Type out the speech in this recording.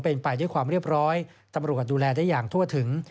เป็นไปด้วยความเรียบร้อยตำรวจดูแลได้อย่างทั่วถึง